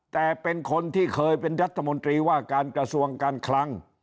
แต่เป็นคนที่เคยเป็นรัฐมนตรีว่าการกระทรวงการคลัง